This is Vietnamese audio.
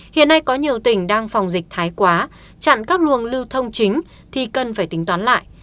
hiện nay có nhiều tỉnh đang phòng dịch thái quá chặn các luồng lưu thông chính thì cần phải tính toán lại